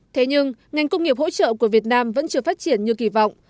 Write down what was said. thế nhưng ngành công nghiệp hỗ trợ của việt nam vẫn chưa phát triển như kỳ vọng